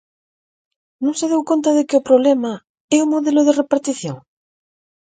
¿Non se deu conta de que o problema é o modelo de repartición?